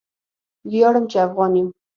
ویاړم چې افغان یم